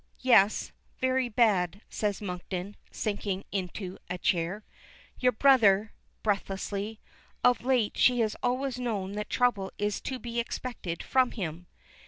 "Yes, very bad," says Monkton, sinking into a chair. "Your brother " breathlessly. Of late, she has always known that trouble is to be expected from him.